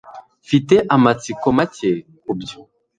mfite amatsiko make kubyo